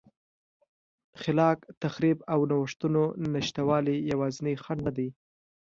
خلاق تخریب او نوښتونو نشتوالی یوازینی خنډ نه دی.